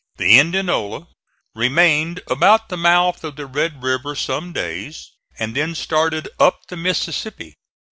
The Indianola remained about the mouth of the Red River some days, and then started up the Mississippi.